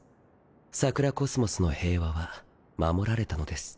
桜宇宙の平和は守られたのです。